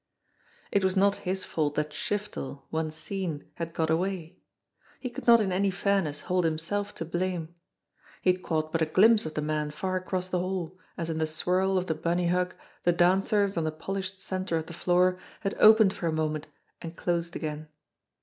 It was not his fault that Shiftel, once seen, had got away. He could not in any fairness hold himself to blame. He had caught but a glimpse of the man far across the hall, as in the swirl of the bunny hug the dancers on the polished centre of the floor had opened for a moment and closed again.